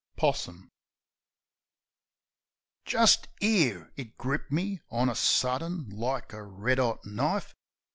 Possum 1ST 'ere it gripped me, on a sudden, like a red 'ot knife.